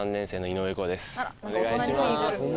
お願いします。